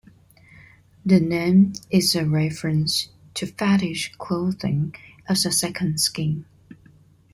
The name is a reference to fetish clothing as a "second skin".